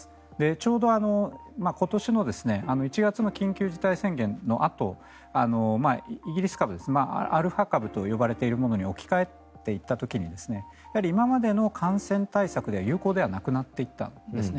ちょうど今年の１月の緊急事態宣言のあとイギリス株アルファ株と呼ばれるものに置き換わっていった時に今までの感染対策では有効ではなくなっていったんですね。